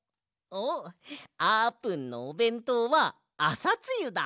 おっあーぷんのおべんとうはあさつゆだ！